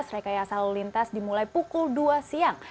rekayasa lalu lintas dimulai pukul dua siang